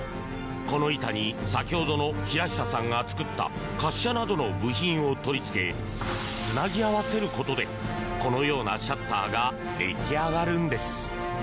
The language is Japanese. この板に先ほどの平久さんが作った滑車などの部品を取りつけつなぎ合わせることでこのようなシャッターが出来上がるのです。